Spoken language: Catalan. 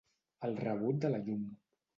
El rebut de la llum.